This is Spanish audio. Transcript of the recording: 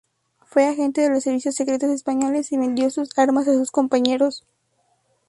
Fue agente de los servicios secretos españoles y vendió sus armas a sus compañeros.